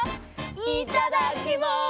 いただきます！